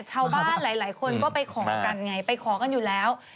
ชาวบ้านหลายคนก็ไปขอกันไงไปขอกันอยู่แล้ว